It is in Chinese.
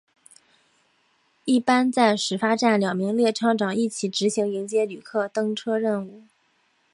一般在始发站两名列车长一起执行迎接旅客登车任务。